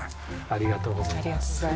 ありがとうございます。